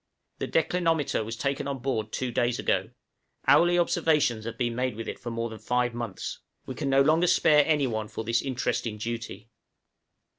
The declinometer was taken on board two days ago; hourly observations have been made with it for more than five months: we can no longer spare any one for this interesting duty.